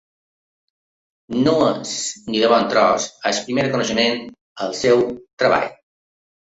No és, ni de bon tros, el primer reconeixement al seu treball.